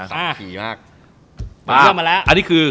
ผมเลือกมาแล้ว